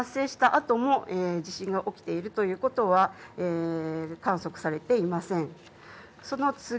あとも地震が起きているということは観測されていません。